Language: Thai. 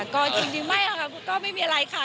ก็จริงไม่ค่ะก็ไม่มีอะไรค่ะ